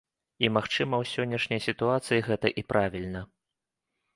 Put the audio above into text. І магчыма, у сённяшняй сітуацыі гэта і правільна.